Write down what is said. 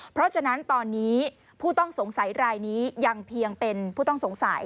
เพราะฉะนั้นตอนนี้ผู้ต้องสงสัยรายนี้ยังเพียงเป็นผู้ต้องสงสัย